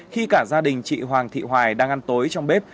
khi cả gia đình chị hoàng thị hoài đang ăn tối trong bếp